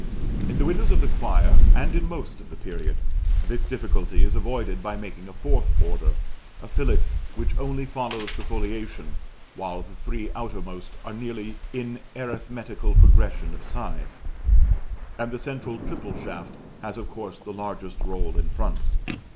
In the windows of the choir, and in most of the period, this difficulty is avoided by making the fourth order a fillet which only follows the foliation, while the three outermost are nearly in arithmetical progression of size, and the central triple shaft has of course the largest roll in front.